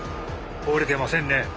折れてませんね。